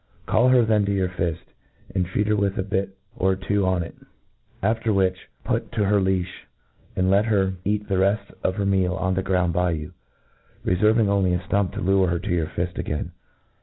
Call her then to your fift, and feed her with a bit or two . on it ; after which, put to her leafli, and let her cat the reft of her meal on the ground by you, referving only a ftump to lure her to your fift again.